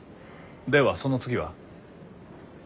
ではその次は？